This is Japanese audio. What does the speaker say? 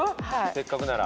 せっかくなら。